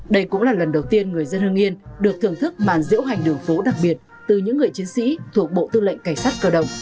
đây cũng là lần đầu tiên người dân hương yên được thưởng thức màn diễu hành đường phố đặc biệt từ những người chiến sĩ thuộc bộ tư lệnh cảnh sát cơ động